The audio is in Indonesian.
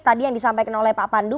tadi yang disampaikan oleh pak pandu